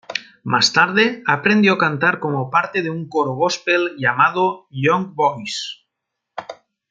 Más tarde, aprendió a cantar como parte de un coro gospel llamado Young Voices.